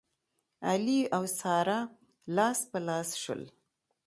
علي او ساره لاس په لاس شول.